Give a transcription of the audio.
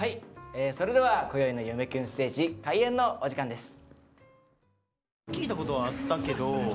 それではこよいの「夢キュンステージ」開演のお時間です。